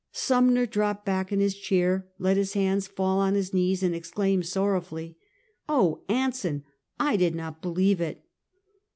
Sumner dropped back in his chair, let his hands fall on his knees and exclaimed, sorrowfully t " Oh, Anson! I did not believe it."